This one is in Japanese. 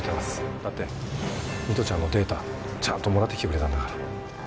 だって美都ちゃんのデータちゃんともらってきてくれたんだから。